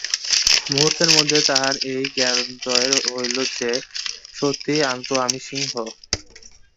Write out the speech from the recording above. মুহূর্তের মধ্যে তাহার এই জ্ঞানোদয় হইল যে, সত্যিই তো আমি সিংহ।